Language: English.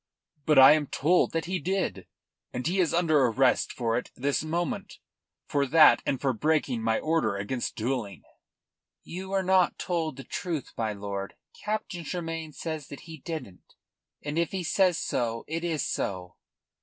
"But I am told that he did, and he is under arrest for it this moment for that, and for breaking my order against duelling." "You were not told the truth, my lord. Captain Tremayne says that he didn't, and if he says so it is so."